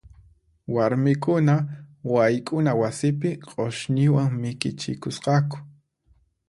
Warmikuna wayk'una wasipi q'usñiwan mikichikusqaku.